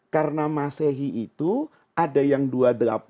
karena masehi itu ada yang dua puluh delapan dua puluh sembilan tiga puluh tiga puluh tahun